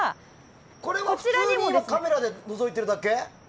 これは普通にカメラでのぞいてるだけ？